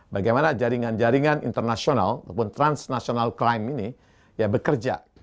bagaimana jaringan jaringan internasional ataupun transnasional climate ini bekerja